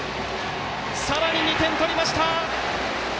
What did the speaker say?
さらに２点取りました！